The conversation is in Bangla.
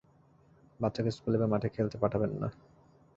বাচ্চাকে স্কুলে বা মাঠে খেলতে পাঠাবেন না।